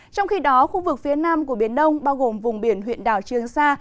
trong khi đó khu vực phía nam của biển đông bao gồm vùng biển huyện đảo trương sa